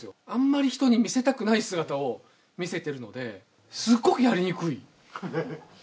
あんまり人に見せたくない姿を見せているので、すっごくやりにくい。